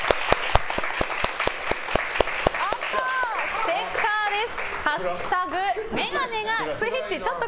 ステッカーです。